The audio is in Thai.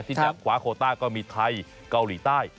ที่จะคว้าโคต้าก็มีไทยเกาหลีใต้